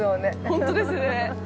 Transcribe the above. ◆本当ですね。